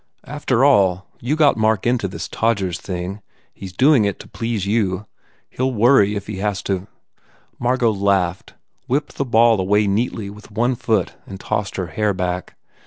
After all, you got Mark into this Todgers thing. He s do ing it.to please you. He ll worry if he has to " Margot laughed, whipped the ball away neatly with one foot and tossed her hair back.